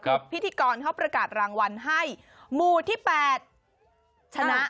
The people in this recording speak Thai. พิธีกรเขาประกาศรางวัลให้หมู่ที่แปดชนะ